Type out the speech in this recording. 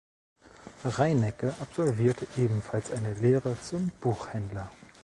Reinecke absolvierte ebenfalls eine Lehre zum Buchhändler.